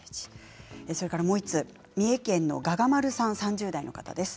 もう１つ三重県３０代の方です。